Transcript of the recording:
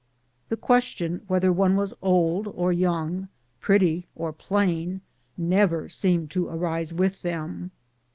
The ques tion whether one was old or young, pretty or plain, nev er seemed to arise with them.